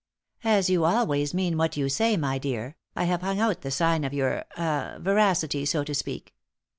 As you always mean what you say, my dear, I have hung out the sign of your ah veracity, so to speak.